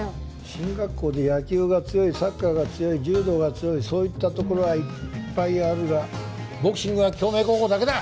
進学校で野球が強いサッカーが強い柔道が強いそういったところはいっぱいあるがボクシングは京明高校だけだ！